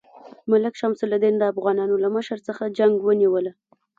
ملک شمس الدین د افغانانو له مشر څخه جنګ ونیوله.